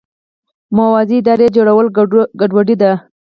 موازي ادارې جوړول ګډوډي ده.